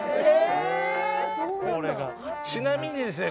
ちなみにですね。